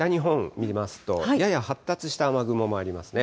見ますとやや発達した雨雲もありますね。